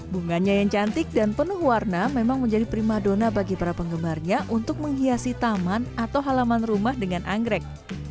bunganya yang cantik dan penuh warna memang menjadi prima dona bagi para penggemarnya untuk menghiasi taman atau halaman rumah dengan anggrek